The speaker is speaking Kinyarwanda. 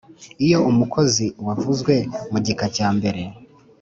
Iyo umukozi wavuzwe mu gika cya mbere